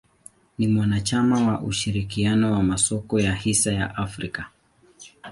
Ni mwanachama wa ushirikiano wa masoko ya hisa ya Afrika.